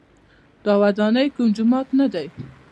دا ودانۍ کوم جومات نه دی.